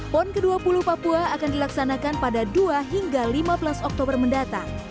pon ke dua puluh papua akan dilaksanakan pada dua hingga lima belas oktober mendatang